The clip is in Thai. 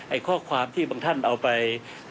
ข้อความที่บางท่านเอาไป